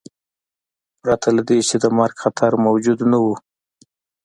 پرته له دې چې د مرګ خطر موجود نه و.